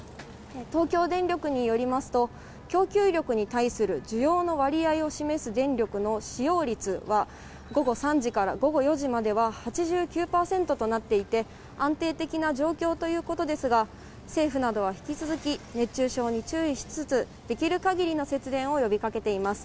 東京電力によりますと、供給力に対する需要の割合を示す電力の使用率は、午後３時から午後４時までは８９％となっていて、安定的な状況ということですが、政府などは引き続き熱中症に注意しつつ、できるかぎりの節電を呼びかけています。